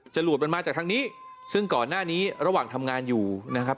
จรูดมันมาจากทางนี้ซึ่งก่อนหน้านี้ระหว่างทำงานอยู่นะครับ